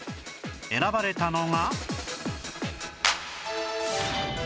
選ばれたのが